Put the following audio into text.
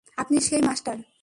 আপনি সেই মাস্টার।